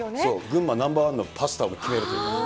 群馬ナンバー１のパスタを決めるという。